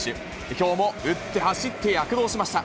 きょうも打って、走って、躍動しました。